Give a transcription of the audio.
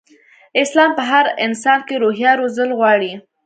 اسلام په هر انسان کې روحيه روزل غواړي.